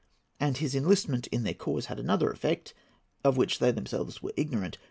And his enlistment in their cause had another effect, of which they themselves were ignorant.